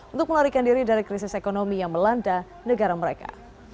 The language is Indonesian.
untuk melarikan diri dari krisis ekonomi yang melanda negara mereka